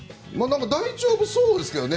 大丈夫そうですけどね。